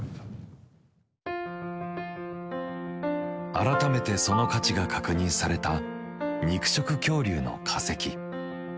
改めてその価値が確認された肉食恐竜の化石。